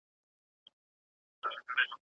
ډاکټرانو د کارولو په اړه سپارښتنې ورکوي.